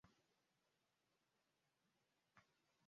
لومړی د سون توکو اقتصادي لګښت دی.